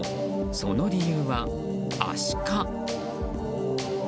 その理由は、アシカ。